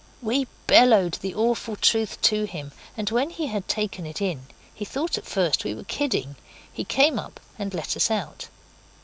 We bellowed the awful truth to him, and when he had taken it in he thought at first we were kidding he came up and let us out.